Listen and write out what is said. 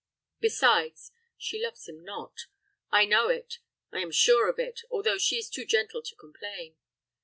Besides, she loves him not. I know it I am sure of it, although she is too gentle to complain.